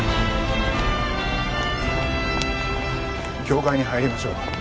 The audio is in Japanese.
教会に入りましょう。